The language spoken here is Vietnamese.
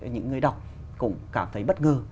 những người đọc cũng cảm thấy bất ngờ